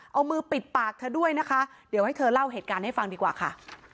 เอามือปิดปากเธอด้วยนะคะเดี๋ยวให้เธอเล่าเหตุการณ์ให้ฟังดีกว่าค่ะ